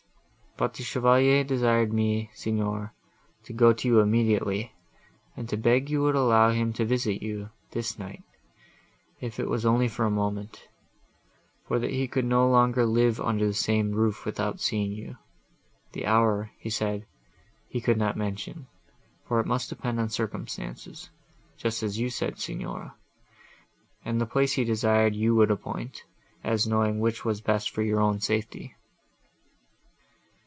But the Chevalier desired me, Signora, to go to you immediately, and to beg you would allow him to visit you, this night, if it was only for a moment, for that he could no longer live under the same roof, without seeing you; the hour, he said, he could not mention, for it must depend on circumstances (just as you said, Signora); and the place he desired you would appoint, as knowing which was best for your own safety."